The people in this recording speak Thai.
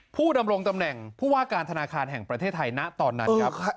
ดำรงตำแหน่งผู้ว่าการธนาคารแห่งประเทศไทยณตอนนั้นครับ